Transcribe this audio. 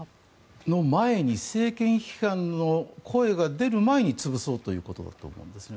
その前に政権批判の声が出る前に潰そうということだと思いますね。